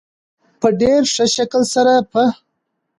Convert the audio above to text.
په ډېر ښه شکل سره په